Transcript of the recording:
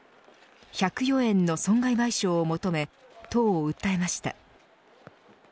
１０４円の損害賠償を求め都を訴えました。